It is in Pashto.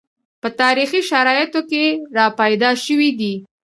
په تاریخي شرایطو کې راپیدا شوي دي